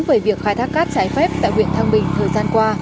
về việc khai thác cát trái phép tại huyện thăng bình thời gian qua